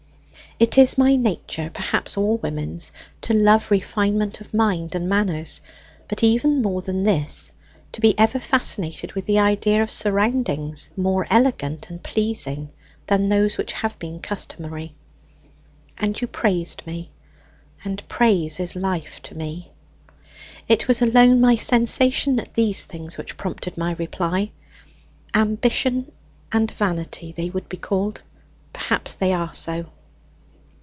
"It is my nature perhaps all women's to love refinement of mind and manners; but even more than this, to be ever fascinated with the idea of surroundings more elegant and pleasing than those which have been customary. And you praised me, and praise is life to me. It was alone my sensations at these things which prompted my reply. Ambition and vanity they would be called; perhaps they are so.